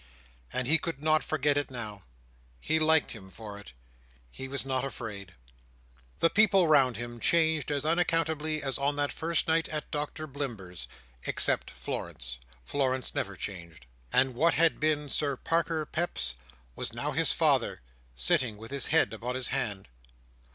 And he could not forget it, now. He liked him for it. He was not afraid. The people round him changed as unaccountably as on that first night at Doctor Blimber's—except Florence; Florence never changed—and what had been Sir Parker Peps, was now his father, sitting with his head upon his hand.